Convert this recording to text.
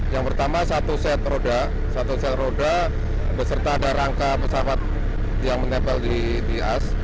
yang pertama satu set roda satu sel roda beserta ada rangka pesawat yang menempel di as